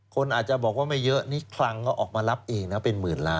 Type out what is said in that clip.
คนอาจจะบอกว่าไม่เยอะนี่คลังก็ออกมารับเองนะเป็นหมื่นล้าน